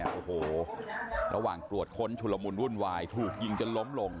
โอ้โหระหว่างตรวจค้นชุลมุนวุ่นวายถูกยิงจนล้มลง